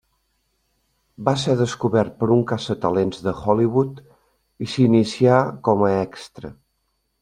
Va ser descobert per un caça talents de Hollywood, i s'inicià com a extra.